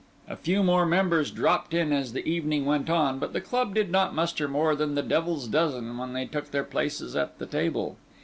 A few more members dropped in as the evening went on, but the club did not muster more than the devil's dozen when they took their places at the table.